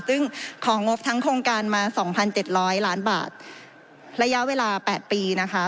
ซึ่งของงบทั้งโครงการมา๒๗๐๐ล้านบาทระยะเวลา๘ปีนะคะ